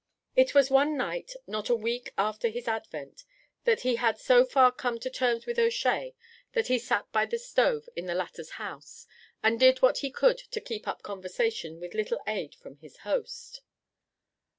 It was one night, not a week after his advent, that he had so far come to terms with O'Shea that he sat by the stove in the latter's house, and did what he could to keep up conversation with little aid from his host.